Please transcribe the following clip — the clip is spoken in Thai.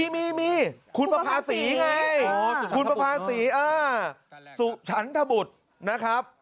มีคุณประภาษีไงคุณประภาษีสุฉันทบุตรนะครับ